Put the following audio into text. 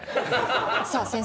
さあ先生